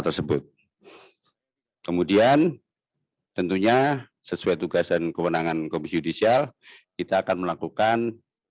tersebut kemudian tentunya sesuai tugas dan kewenangan komisi yudisial kita akan melakukan